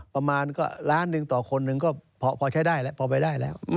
ประมาณก็ล้านหนึ่งต่อคนหนึ่งก็พอไปได้แล้ว